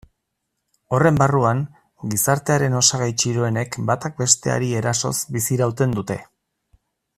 Horren barruan, gizartearen osagai txiroenek batak besteari erasoz bizirauten dute.